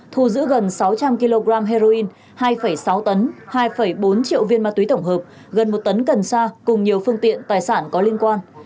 thu giữ gần sáu trăm linh kg heroin hai sáu tấn hai bốn triệu viên ma túy tổng hợp gần một tấn cần sa cùng nhiều phương tiện tài sản có liên quan